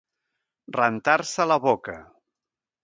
Rentar-se la boca.